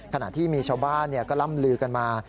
ขณะที่มีชาวบ้านก็ล่ำลือกันมา